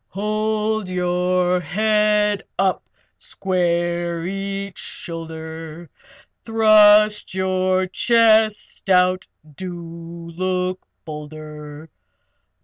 Hold your head up! Square each shoulder! Thrust your chest out! Do look bolder!